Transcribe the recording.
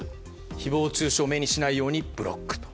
誹謗中傷を目にしないようにブロック。